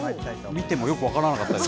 見てもよく分からなかったです。